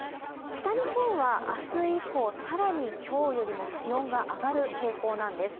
北日本は明日以降、更に今日よりも気温が上がる傾向です。